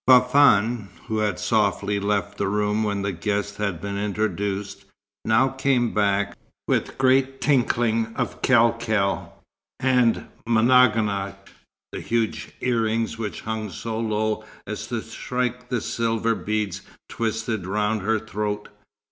Fafann, who had softly left the room when the guest had been introduced, now came back, with great tinkling of khal khal, and mnaguach, the huge earrings which hung so low as to strike the silver beads twisted round her throat.